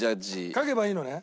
書けばいいのね？